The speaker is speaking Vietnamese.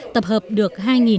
tập hợp được hai hai trăm linh